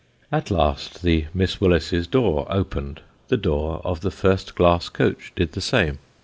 At last the Miss Willises' door opened ; the door of the first glass coach did the same.